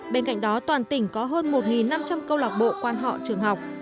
bên cạnh đó toàn tỉnh có hơn một năm trăm linh câu lạc bộ quan họ trường học